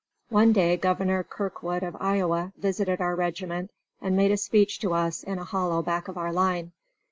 One day Governor Kirkwood of Iowa visited our regiment and made a speech to us in a hollow back of our line.